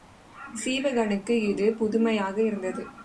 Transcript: சீவகனுக்கு இது புதுமையாக இருந்தது.